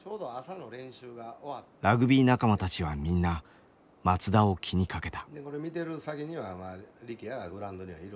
ラグビー仲間たちはみんな松田を気にかけた。